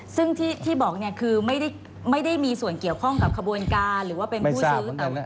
ซึ่งที่บอกเนี่ยคือไม่ได้มีส่วนเกี่ยวข้องกับขบวนการหรือว่าเป็นผู้ซื้อ